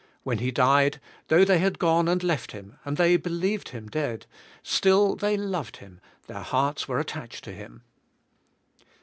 When He died, though they had gone and left Him, and they believed Him dead, still they loved Him, their hearts were attached to Him.